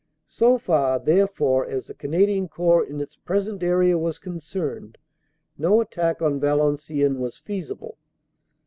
So far, therefore, as the Canadian Corps in its present area was OPERATIONS: OCT. 20 30 357 concerned, no attack on Valenciennes was feasible.